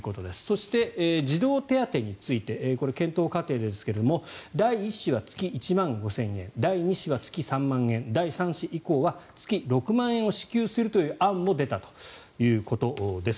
そして児童手当についてこれ、検討過程ですが第１子は月１万５０００円第２子は月３万円第３子以降は月６万円を支給するという案も出たということです。